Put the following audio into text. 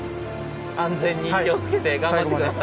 安全に気を付けて頑張って下さい。